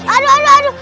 aduh sakit aduh